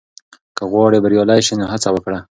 که غواړې بریالی شې، نو هڅه وکړه.